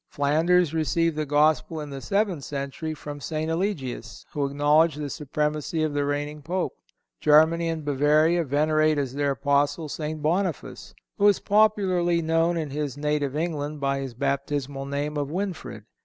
Flanders received the Gospel in the seventh century from St. Eligius, who acknowledged the supremacy of the reigning Pope. Germany and Bavaria venerate as their Apostle St. Boniface, who is popularly known in his native England by his baptismal name of Winfrid.